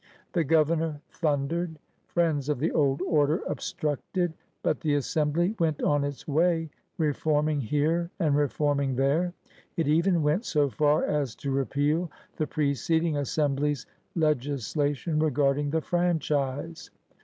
The Governor thundered; friends of the old order obstructed; but the Assembly went on its way, re forming here and reforming there. It even went so far as to repeal the preceding Assembly's legis lation regarding the franchise.